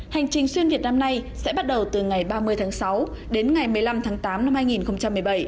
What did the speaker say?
hành trình xuyên việt năm nay sẽ bắt đầu từ ngày ba mươi tháng sáu đến ngày một mươi năm tháng tám năm hai nghìn một mươi bảy